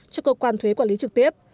cho cơ quan thuế quản lý trực tiếp